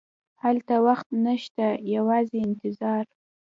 هلته وخت نه شته، یوازې انتظار.